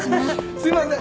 すいません。